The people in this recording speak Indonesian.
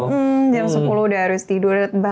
hmm jam sepuluh udah harus tidur